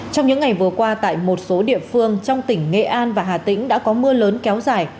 trong những ngày vừa qua tại một số địa phương trong tỉnh nghệ an và hà tĩnh đã có mưa lớn kéo dài